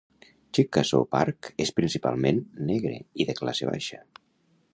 Chickasaw Park és principalment negre i de classe baixa.